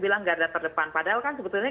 bilang garda terdepan padahal kan sebetulnya